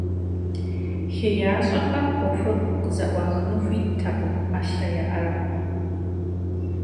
Хеящӏэхэм ӏуэхур къызэӏуахыну хуиттэкъым, ӏэлъэ яӏэрыгъыу.